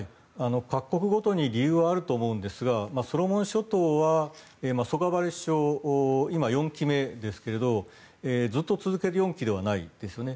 各国ごとに理由はあると思うんですがソロモン諸島はソガバレ首相今、４期目ですがずっと続けて４期ではないです。